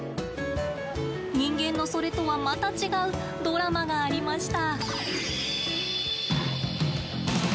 人間のそれとはまた違うドラマがありました。